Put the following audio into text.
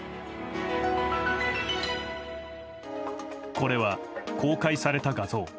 これは公開された画像。